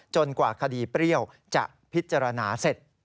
กว่าคดีเปรี้ยวจะพิจารณาเสร็จ